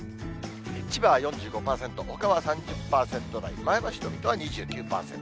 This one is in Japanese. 千葉は４５％、ほかは３０％台、前橋と水戸は２９％。